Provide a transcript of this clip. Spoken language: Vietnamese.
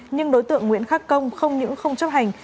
nhưng đối tượng nguyễn khắc công không những không chấp hành